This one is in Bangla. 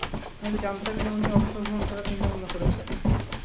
আমি তো জানতামই না উনি অবসর গ্রহণ করার চিন্তা ভাবনা করছেন।